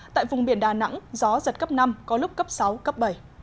tại vùng biển đà nẵng gió giật cấp năm có lúc cấp sáu cấp bảy